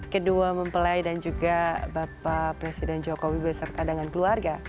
kedua mempelai dan juga bapak presiden jokowi beserta dengan keluarga